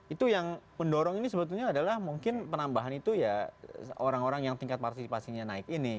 itu yang mendorong ini sebetulnya adalah mungkin penambahan itu ya orang orang yang tingkat partisipasinya naik ini